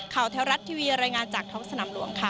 แถวรัฐทีวีรายงานจากท้องสนามหลวงค่ะ